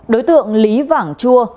đối tượng lý vảng chua